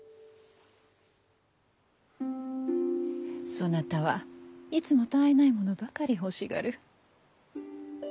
そなたはいつもたあいないものばかり欲しがる。